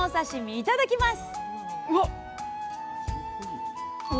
いただきます！